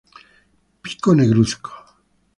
Pico negruzco.